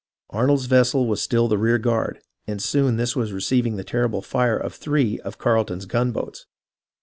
Arnold's vessel was still the rear guard, and soon this was receiving the terrible fire of three of Carle ton's gun boats.